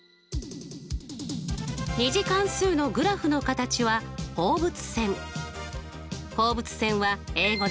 ２次関数のグラフの形は放物線。